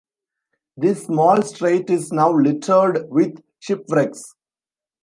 This small strait is now littered with shipwrecks.